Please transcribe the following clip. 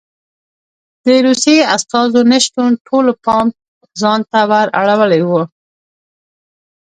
د روسیې استازو نه شتون ټولو پام ځان ته ور اړولی و